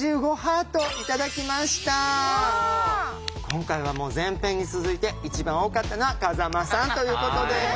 今回はもう前編に続いて一番多かったのは風間さんということです。